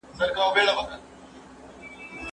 احمدشاه بابا د افغانستان اصلي وارث و.